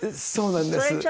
そうなんです。